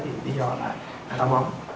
vì lý do là táo bón